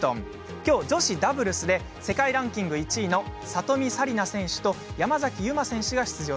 きょう、女子ダブルスで世界ランキング１位の里見紗李奈選手と山崎悠麻選手が出場。